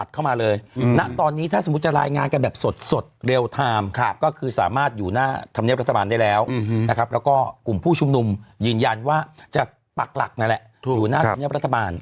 เข้ามาเลยนะตอนนี้ถ้าสมมติจะลายงานกันแบบสดเรียลไฟมก็คือสามารถอยู่หน้าธำเลียบรัฐบาลได้แล้วครับและก็กลุ่มผู้ชุมนุมยืนแย่นว่าจะปากปรักษ์มันแหละอยู่หน้าธำเลียบรัฐบาล